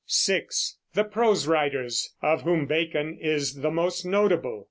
(6) The Prose Writers, of whom Bacon is the most notable.